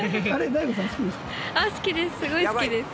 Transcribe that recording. すごい好きです。